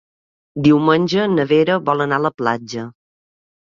Diumenge na Vera vol anar a la platja.